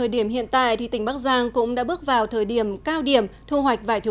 điều này sẽ giúp tỉnh bắc giang bước vào thời điểm cao điểm thu hoạch vải thiều